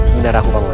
biar aku panggil